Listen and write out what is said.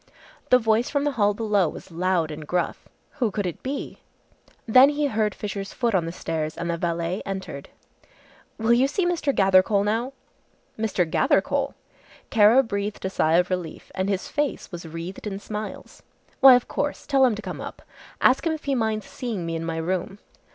The voice from the hall below was loud and gruff. Who could it be! Then he heard Fisher's foot on the stairs and the valet entered. "Will you see Mr. Gathercole now!" "Mr. Gathercole!" Kara breathed a sigh of relief and his face was wreathed in smiles. "Why, of course. Tell him to come up. Ask him if he minds seeing me in my room."